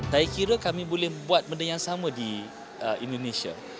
saya kira kami boleh buat benda yang sama di indonesia